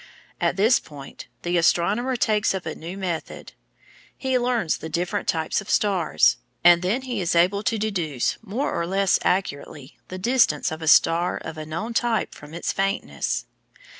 At this point the astronomer takes up a new method. He learns the different types of stars, and then he is able to deduce more or less accurately the distance of a star of a known type from its faintness.